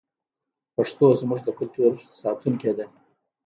پښتو زموږ د کلتور ساتونکې ده.